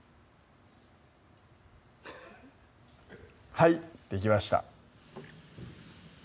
はいできました